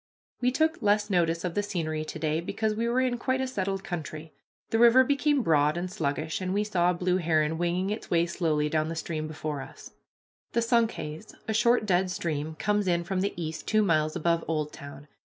We took less notice of the scenery to day, because we were in quite a settled country. The river became broad and sluggish, and we saw a blue heron winging its way slowly down the stream before us. The Sunkhaze, a short dead stream, comes in from the east two miles above Oldtown.